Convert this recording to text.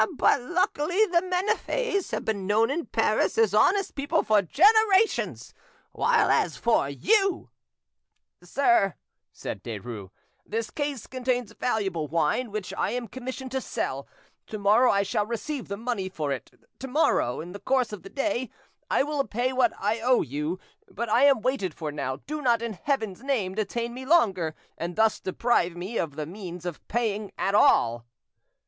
But luckily the Maniffets have been known in Paris as honest people for generations, while as for you——" "Sir," said Derues, "this case contains valuable wine which I am commissioned to sell. To morrow I shall receive the money for it; to morrow, in the course of the day, I will pay what I owe you. But I am waited for now, do not in Heaven's name detain me longer, and thus deprive me of the means of paying at all."